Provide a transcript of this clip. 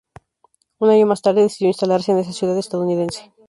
Un año más tarde, decidió instalarse en esa ciudad estadounidense.